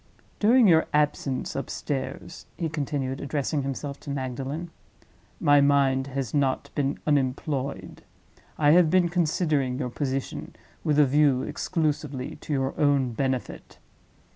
During your absence upstairs," he continued, addressing himself to Magdalen, "my mind has not been unemployed. I have been considering your position with a view exclusively to your own benefit.